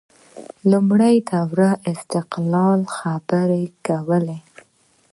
لومړۍ دوره د استقلال خبرې کولې